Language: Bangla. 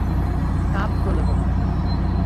কাপ তোলো তোমার!